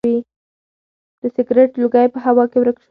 د سګرټ لوګی په هوا کې ورک شو.